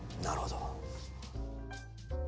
なるほど。